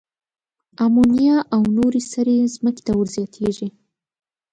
آمونیا او نورې سرې ځمکې ته ور زیاتیږي.